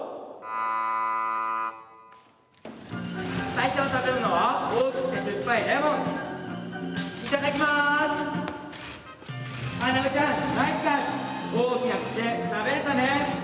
大きな口で食べれたね。